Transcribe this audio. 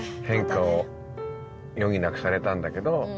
変化を余儀なくされたんだけど。